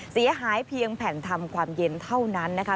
เสียหายเพียงแผ่นทำความเย็นเท่านั้นนะคะ